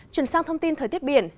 chuyển sang thông tin thời tiết biển